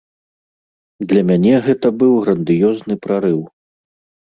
Для мяне гэта быў грандыёзны прарыў.